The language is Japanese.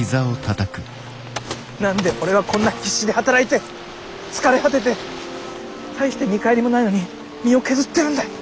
何で俺はこんな必死で働いて疲れ果てて大して見返りもないのに身を削ってるんだ。